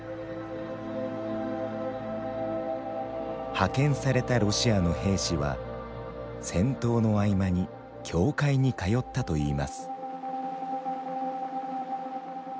派遣されたロシアの兵士は戦闘の合間に教会に通ったといいます。